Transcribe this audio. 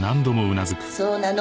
そうなの？